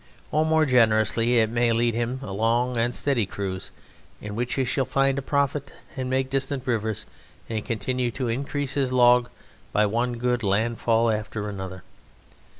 Or, more generously, it may lead him to a long and steady cruise in which he shall find profit and make distant rivers and continue to increase his log by one good landfall after another.